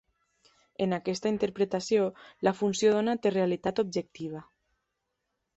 En aquesta interpretació, la funció d'ona té realitat objectiva.